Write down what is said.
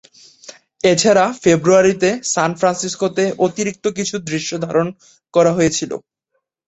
এছাড়া ফেব্রুয়ারিতে সান ফ্রান্সিসকোতে অতিরিক্ত কিছু দৃশ্যধারণ করা হয়েছিল।